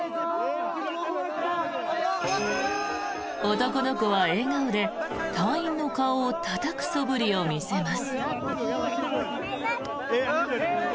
男の子は笑顔で隊員の顔をたたくそぶりを見せます。